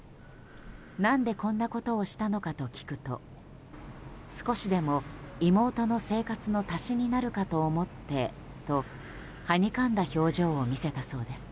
何でこんなことをしたのかと聞くと少しでも妹の生活の足しになるかと思ってとはにかんだ表情を見せたそうです。